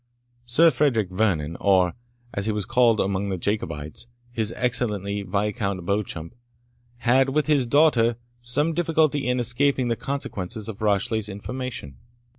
Sir Frederick Vernon, or, as he was called among the Jacobites, his Excellency Viscount Beauchamp, had, with his daughter, some difficulty in escaping the consequences of Rashleigh's information.